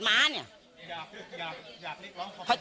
มาเนี้ย